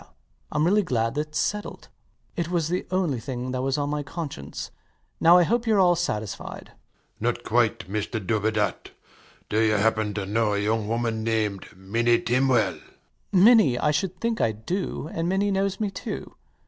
I'm really glad thats settled: it was the only thing that was on my conscience. Now I hope youre all satisfied. SIR PATRICK. Not quite, Mr Dubedat. Do you happen to know a young woman named Minnie Tinwell? LOUIS. Minnie! I should think I do; and Minnie knows me too.